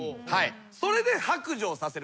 それで白状させる。